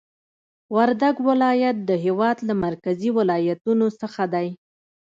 وردګ ولایت د هېواد له مرکزي ولایتونو څخه دی